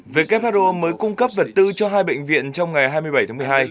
who mới cung cấp vật tư cho hai bệnh viện trong ngày hai mươi bảy tháng một mươi hai